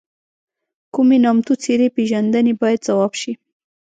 کومې نامتو څېرې پیژنئ باید ځواب شي.